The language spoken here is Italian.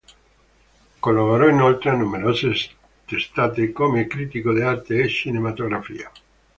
Collaborò inoltre a numerose testate come critico d'arte e cinematografia.